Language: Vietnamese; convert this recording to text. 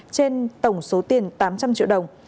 trên tổng số tiền tám trăm linh triệu đồng